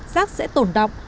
rác sẽ tổn động